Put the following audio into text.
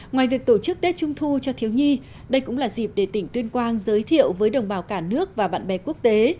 ngoài việc tổ chức tết trung thu cho thiếu nhi đây cũng là dịp để tỉnh tuyên quang giới thiệu với đồng bào cả nước và bạn bè quốc tế